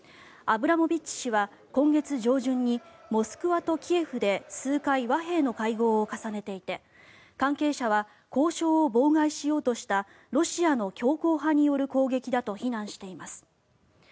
アブラモビッチ氏は今月上旬にモスクワとキエフで数回和平の会合を重ねていて関係者は交渉を妨害しようとしたロシアの強硬派による攻撃だと非難しています。